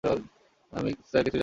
আমি স্যার কিছুই জানি না।